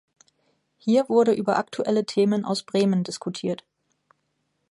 Hier wurde über aktuelle Themen aus Bremen diskutiert.